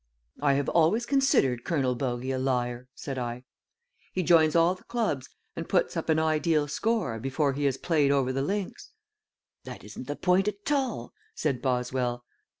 "I have always considered Colonel Bogey a liar," said I. "He joins all the clubs and puts up an ideal score before he has played over the links." "That isn't the point at all," said Boswell.